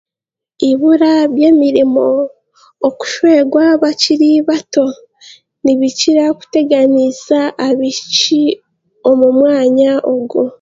Eibura ry'emirimo, okushwerwa bakiri bato, nibikira kuteganiisa abaishiki omu mwanya ogwo.